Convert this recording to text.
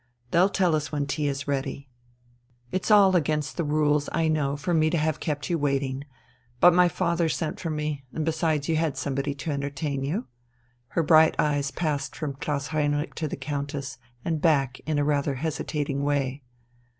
They'll tell us when tea is ready.... It's against all the rules, I know, for me to have kept you waiting. But my father sent for me and besides you had somebody to entertain you." Her bright eyes passed from Klaus Heinrich to the Countess and back in a rather hesitating way.